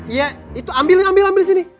iya itu ambil ambil disini